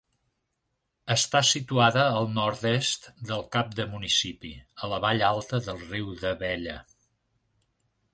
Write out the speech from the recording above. Està situada al nord-est del cap de municipi, a la vall alta del riu d'Abella.